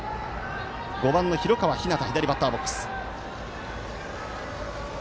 ５番の広川陽大左バッターボックス。